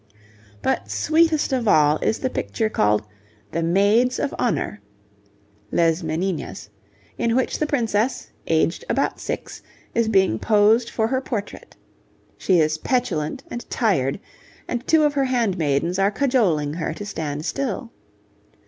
But sweetest of all is the picture called 'The Maids of Honour' ('Les Meninas'), in which the princess, aged about six, is being posed for her portrait. She is petulant and tired, and two of her handmaidens are cajoling her to stand still.